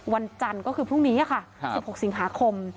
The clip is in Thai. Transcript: วันจันทร์ก็คือพรุ่งนี้ค่ะ๑๖สิงหาคม